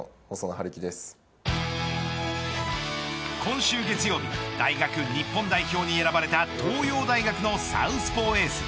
今週月曜日大学日本代表に選ばれた東洋大学のサウスポーエース。